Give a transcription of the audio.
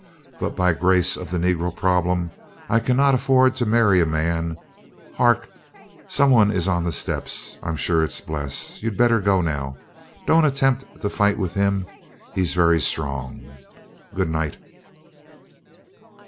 But by grace of the Negro Problem, I cannot afford to marry a man Hark! Some one is on the steps. I'm sure it's Bles. You'd better go now. Don't attempt to fight with him; he's very strong. Good night."